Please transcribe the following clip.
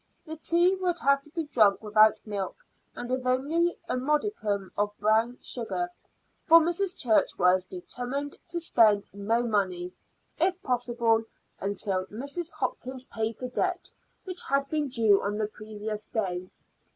The tea would have to be drunk without milk, and with only a modicum of brown sugar, for Mrs. Church was determined to spend no money, if possible, until Mrs. Hopkins paid the debt which had been due on the previous day.